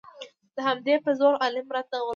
د همدې په زور عالم راته غلام دی